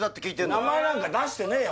名前なんか出してねえよ